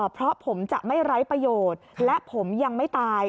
เพราะผมจะไม่ไร้ประโยชน์และผมยังไม่ตาย